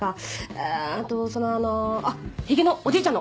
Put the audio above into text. あっとそのあのあっヒゲのおじいちゃんの！